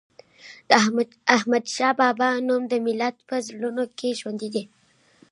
د احمد شاه بابا نوم د ملت په زړونو کې ژوندی دی.